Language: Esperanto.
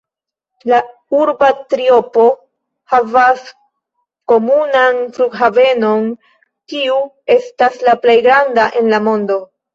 La urba triopo havas komunan flughavenon, kiu estas la plej granda en la mondo.